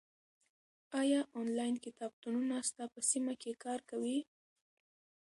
ایا آنلاین کتابتونونه ستا په سیمه کې کار کوي؟